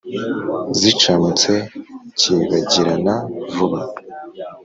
zicamutse, cyibagirana vuba